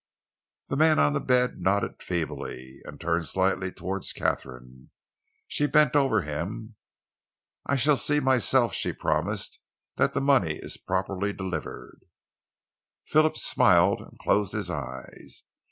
The man on the bed nodded feebly and turned slightly towards Katharine. She bent over him. "I shall see myself," she promised, "that the money is properly delivered." Phillips smiled and closed his eyes.